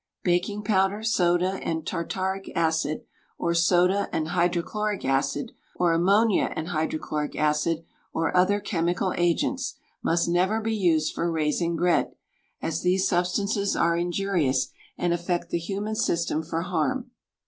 Baking powder, soda, and tartaric acid, or soda and hydrochloric acid, or ammonia and hydrochloric acid, or other chemical agents, must never be used for raising bread, as these substances are injurious, and affect the human system for harm.